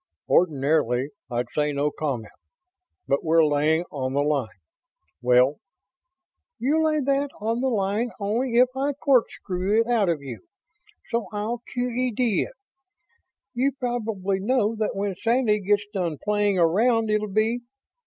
"Ordinarily I'd say 'no comment', but we're laying on the line ... well ..." "You'll lay that on the line only if I corkscrew it out you, so I'll Q.E.D. it. You probably know that when Sandy gets done playing around it'll be